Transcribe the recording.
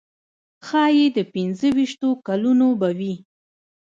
ښایي د پنځه ویشتو کلونو به وي.